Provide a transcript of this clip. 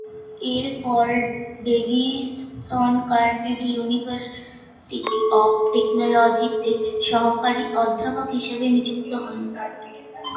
এরপর Davisson Carnegie Institute of টেকনোলজিতে সহকারী অধ্যাপক হিসেবে নিযুক্ত হন।